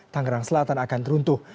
tangerang selatan akan teruntuh